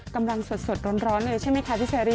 กำลังสดร้อนเลยใช่ไหมคะพี่เชอรี่